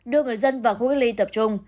đưa người dân vào khu gác ly tập trung